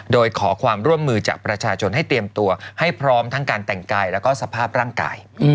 โดยขอความร่วมมือจากประชาชนให้เตรียมตัวให้พร้อมทั้งการแต่งกายแล้วก็สภาพร่างกาย